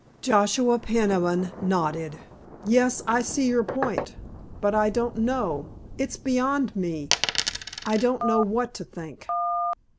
Joshua Peniman nodded. "Yes, I see your point. But I don't know. It's beyond me. I don't know what to think."